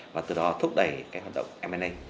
và từ đó thúc đẩy hoạt động m a